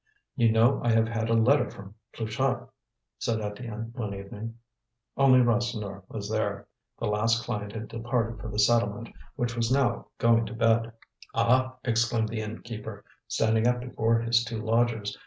"You know I have had a letter from Pluchart," said Étienne one evening. Only Rasseneur was there. The last client had departed for the settlement, which was now going to bed. "Ah!" exclaimed the innkeeper, standing up before his two lodgers.